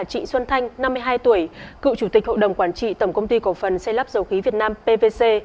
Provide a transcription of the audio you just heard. trịnh xuân thanh năm mươi hai tuổi cựu chủ tịch hội đồng quản trị tổng công ty cổ phần xây lắp dầu khí việt nam pvc